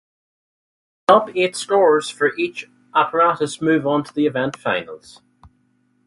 The top eight scorers for each apparatus move on to the event finals.